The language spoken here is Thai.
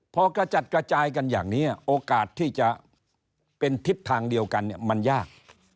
พอกระจัดกระจายกันอย่างนี้โอกาสที่จะเป็นทิศทางเดียวกันเนี่ยมันยาก